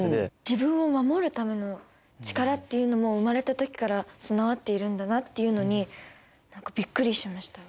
自分を守るための力っていうのも生まれた時から備わっているんだなっていうのに何かびっくりしました。